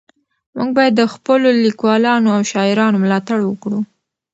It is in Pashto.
موږ باید د خپلو لیکوالانو او شاعرانو ملاتړ وکړو.